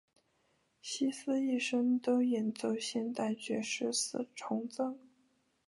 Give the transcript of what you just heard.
希斯一生都演奏现代爵士四重奏。